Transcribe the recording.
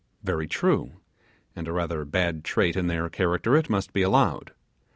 Very true; and a rather bad trait in their character it must be allowed.